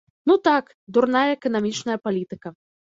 Ну так, дурная эканамічная палітыка.